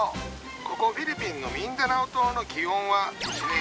ここフィリピンのミンダナオ島の気温は１年中３０度くらい。